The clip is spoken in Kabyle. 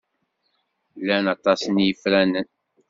Llan aṭas n yifranen.